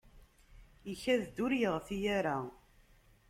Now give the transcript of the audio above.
Ikad-d ur yeɣti ara.